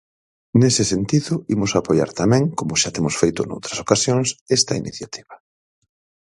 Nese sentido, imos apoiar tamén, como xa temos feito noutras ocasións, esta iniciativa.